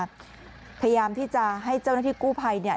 พยายามที่จะให้เจ้าหน้าที่กู้ภัยเนี่ย